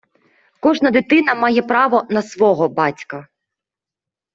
Кожна дитина має право на “свого” батька.